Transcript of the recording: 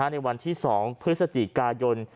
ในวันที่๒พฤศจิกายน